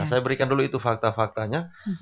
saya berikan dulu itu fakta faktanya